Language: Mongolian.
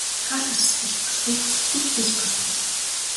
Хаалгач захирал болохыг хүсэхгүй ч байж болно.